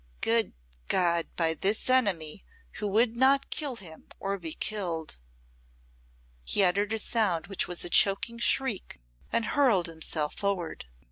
Good God! by this enemy who would not kill him or be killed. He uttered a sound which was a choking shriek and hurled himself forward.